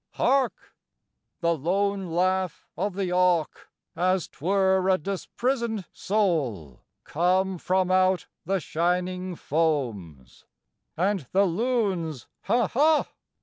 _ Hark! _The lone laugh of the auk As 'twere a disprisoned soul come From out the shining foams! And the loon's "ha! ha!"